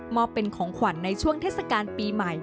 อบเป็นของขวัญในช่วงเทศกาลปีใหม่